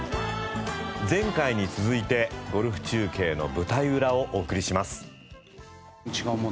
前回に続いてゴルフ中継の舞台裏をお送りします。